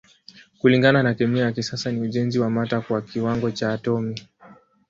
Kulingana na kemia ya kisasa ni ujenzi wa mata kwa kiwango cha atomi.